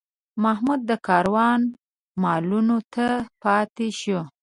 محمد د کاروان مالونو ته پاتې شو.